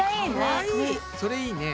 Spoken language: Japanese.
それいいね。